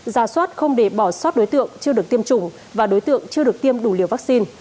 giả soát không để bỏ sót đối tượng chưa được tiêm chủng và đối tượng chưa được tiêm đủ liều vaccine